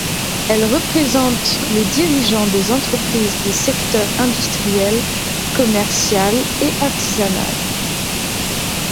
Elle représente les dirigeants des entreprises des secteurs industriel, commercial et artisanal.